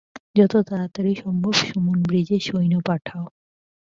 যত তাড়াতাড়ি সম্ভব সুমুন ব্রিজে সৈন্য পাঠাও।